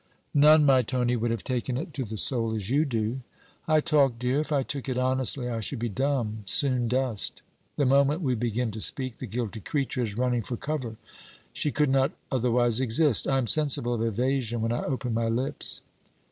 'None, my Tony, would have taken it to the soul as you do.' 'I talk, dear. If I took it honestly, I should be dumb, soon dust. The moment we begin to speak, the guilty creature is running for cover. She could not otherwise exist. I am sensible of evasion when I open my lips.'